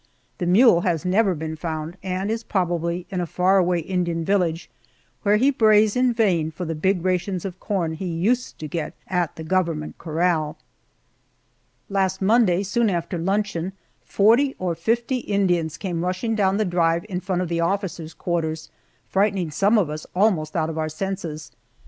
The mule has never been found, and is probably in a far away Indian village, where he brays in vain for the big rations of corn he used to get at the government corral. Last Monday, soon after luncheon, forty or fifty Indians came rushing down the drive in front of the officers' quarters, frightening some of us almost out of our senses.